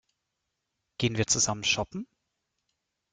Gehen wir zusammen shoppen?